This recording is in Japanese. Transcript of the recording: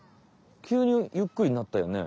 きゅうにゆっくりになったよね？